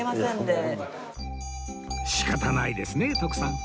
仕方ないですね徳さん